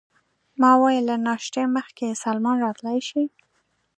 ما وویل: له ناشتې مخکې سلمان راتلای شي؟